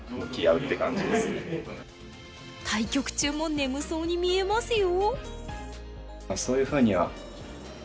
対局中も眠そうに見えますよ？